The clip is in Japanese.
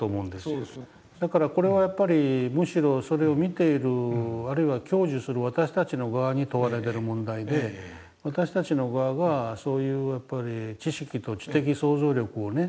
だからこれはやっぱりむしろそれを見ているあるいは享受する私たちの側に問われてる問題で私たちの側がそういう知識と知的想像力をね